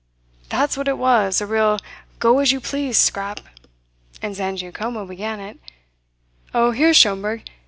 "That's what it was a real, go as you please scrap. And Zangiacomo began it. Oh, here's Schomberg.